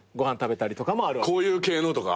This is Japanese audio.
こういう系のとか。